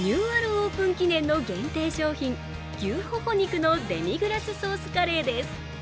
オープン記念の限定商品、牛ほほ肉のデミグラスソースカレーです。